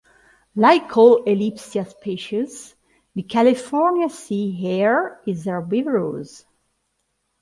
Like all "Aplysia" species, the California sea hare is herbivorous.